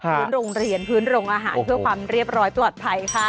พื้นโรงเรียนพื้นโรงอาหารเพื่อความเรียบร้อยปลอดภัยค่ะ